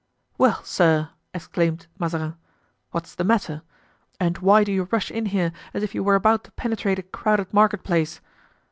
"Well, sir," exclaimed Mazarin, "what's the matter? and why do you rush in here, as if you were about to penetrate a crowded market place?"